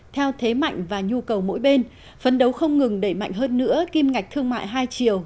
theo thế mạnh và nhu cầu mỗi bên phấn đấu không ngừng đẩy mạnh hơn nữa kim ngạch thương mại hai chiều